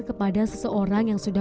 baru ada was institutih